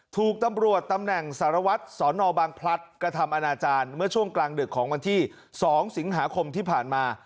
ถูกตำรวจตำแหน่งสารวัตรสอนอบางพลัดกระทำอนาจารย์เมื่อช่วงกลางดึกของวันที่๒สิงหาคมที่ผ่านมา